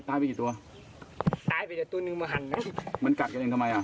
ตายไปกี่ตัวตายไปเดี๋ยวตัวหนึ่งมาหันนะมันกัดกันเองทำไมอ่ะ